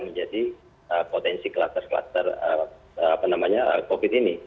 menjadi potensi klaster klaster covid ini